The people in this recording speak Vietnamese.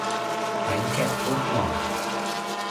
Bánh kẹo nước ngọt